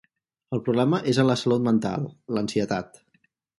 El problema és en la salut mental, l’ansietat.